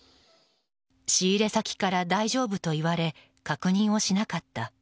仕入れ先から大丈夫と言われ確認をしなかった。